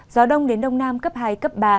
gió đông đến đông nam cấp hai cấp ba